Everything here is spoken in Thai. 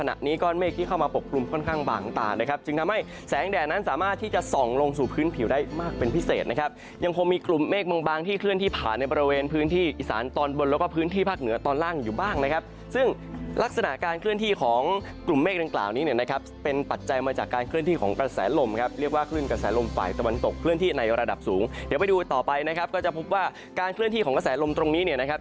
นี้ก้อนเมฆที่เข้ามาปกกลุ่มค่อนข้างบางต่างนะครับจึงทำให้แสงแดดนั้นสามารถที่จะส่องลงสู่พื้นผิวได้มากเป็นพิเศษนะครับยังคงมีกลุ่มเมฆบางที่เคลื่อนที่ผ่านในบริเวณพื้นที่อิสานตอนบนแล้วก็พื้นที่ภาคเหนือตอนล่างอยู่บ้างนะครับซึ่งลักษณะการเคลื่อนที่ของกลุ่มเมฆต่างนี้เนี่ยนะครั